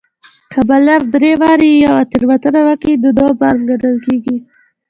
که بالر درې واري يوه تېروتنه وکي؛ نو نو بال ګڼل کیږي.